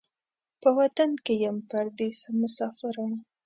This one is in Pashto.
په وطن کې یم پردېسه مسافره